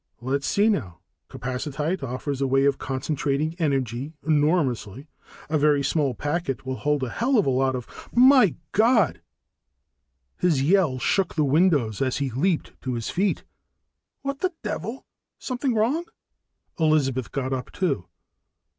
"Let's see, now. Capacitite offers a way of concentrating energy enormously ... a very small packet will hold a hell of a lot My God!" His yell shook the windows as he leaped to his feet. "What the devil something wrong?" Elizabeth got up too.